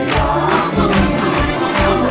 คุณองค์ร้องได้